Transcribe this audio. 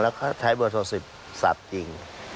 แล้วเขาใช้เบอร์ส่วนสิบศัพท์จริง